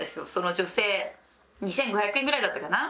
女性２５００円ぐらいだったかな？